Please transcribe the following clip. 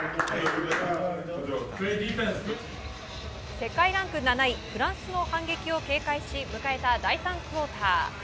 世界ランク７位フランスの反撃を警戒し迎えた第３クオーター。